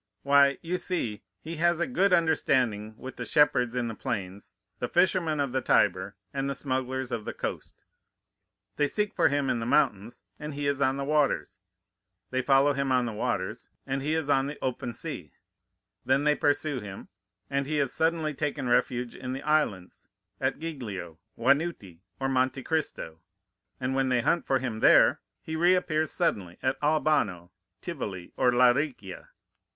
"Why, you see, he has a good understanding with the shepherds in the plains, the fishermen of the Tiber, and the smugglers of the coast. They seek for him in the mountains, and he is on the waters; they follow him on the waters, and he is on the open sea; then they pursue him, and he has suddenly taken refuge in the islands, at Giglio, Giannutri, or Monte Cristo; and when they hunt for him there, he reappears suddenly at Albano, Tivoli, or La Riccia."